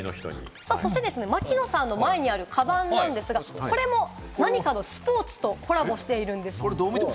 槙野さんの前にあるカバンなんですが、これも何かのスポーツとコラボしているんです。